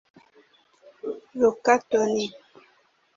Luca Toni